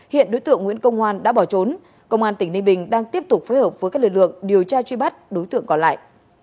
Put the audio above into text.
hiện đối tượng nguyễn công hoan đã bỏ trốn công an tỉnh ninh bình đang tiếp tục phối hợp với các lực lượng điều tra truy bắt đối tượng còn lại